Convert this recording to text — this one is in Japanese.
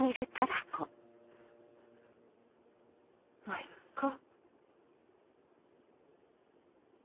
まぁいっか。